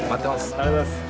ありがとうございます。